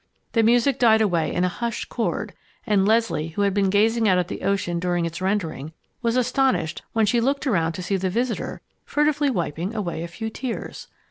The music died away in a hushed chord, and Leslie, who had been gazing out at the ocean during its rendering, was astonished when she looked around to see the visitor furtively wiping away a few tears.